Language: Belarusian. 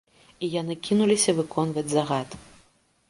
І яны кінуліся выконваць загад.